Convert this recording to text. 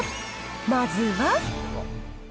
まずは。